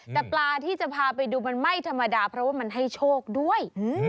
แต่ปลาที่จะพาไปดูมันไม่ธรรมดาเพราะว่ามันให้โชคด้วย